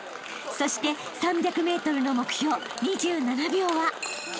［そして３００ｍの目標２７秒は］